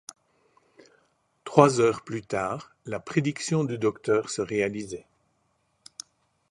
Trois heures plus tard, la prédiction du docteur se réalisait.